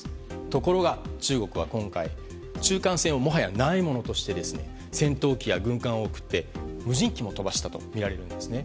ところが中国は今回中間線を、もはやないものとして戦闘機や軍艦を送って無人機も飛ばしたとみられるんですね。